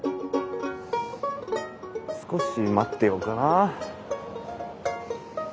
少し待ってようかな。